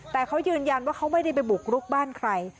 แต่เขายืนยันว่าเขาไม่ได้ไปบุกรุกบ้านใคร